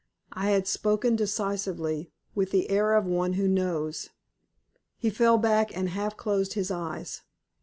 I had spoken decisively, with the air of one who knows. He fell back and half closed his eyes.